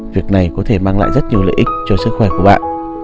việc này có thể mang lại rất nhiều lợi ích cho sức khỏe của bạn